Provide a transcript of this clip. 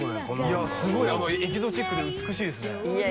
いやすごいエキゾチックで美しいですねいや